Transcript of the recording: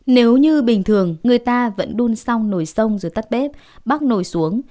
nếu như bình thường người ta vẫn đun sông nồi sông rồi tắt bếp bắt nồi xuống